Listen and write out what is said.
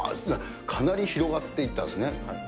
かなり広がっていったんですね。